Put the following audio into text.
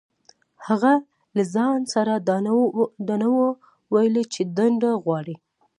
هغه له ځان سره دا نه وو ويلي چې دنده غواړي.